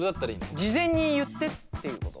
事前に言ってっていうこと？